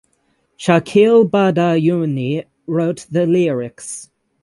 Shakeel Badayuni wrote the lyrics.